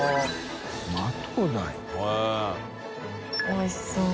おいしそう。